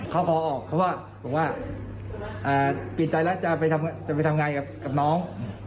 เขาขอออกเพราะว่าผมว่าปิดใจแล้วจะไปทำงานกับน้อง